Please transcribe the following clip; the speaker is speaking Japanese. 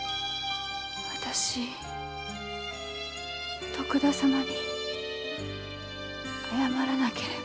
私徳田様に謝らなければ。